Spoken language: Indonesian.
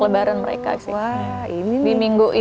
kalau ada yang mau berkongsi di sekolah saya pengen berkongsi